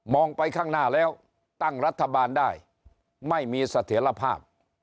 ไปข้างหน้าแล้วตั้งรัฐบาลได้ไม่มีเสถียรภาพ